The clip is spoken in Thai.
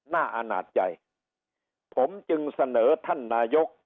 อาณาจใจผมจึงเสนอท่านนายก